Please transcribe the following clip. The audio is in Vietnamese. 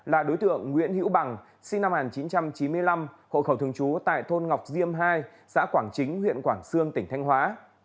là đối tượng nguyễn hữu bằng sinh năm một nghìn chín trăm chín mươi năm hộ khẩu thường trú tại thôn ngọc diêm hai xã quảng chính huyện quảng sương tỉnh thanh hóa